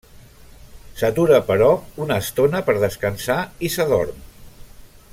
S'atura, però, una estona per descansar i s'adorm.